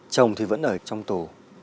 chồng thì vẫn ở trong tù